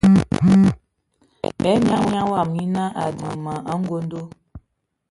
E manyaŋ wɔm nyina a diŋ ma angondo.